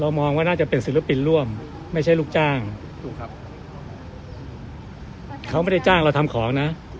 มองว่าน่าจะเป็นศิลปินร่วมไม่ใช่ลูกจ้างถูกครับเขาไม่ได้จ้างเราทำของนะ